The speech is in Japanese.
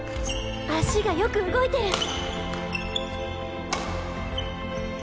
足がよく動いてる。